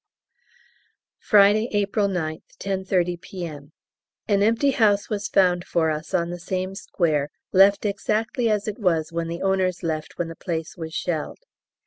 F.). Friday, April 9th, 10.30 P.M. An empty house was found for us on the same square, left exactly as it was when the owners left when the place was shelled.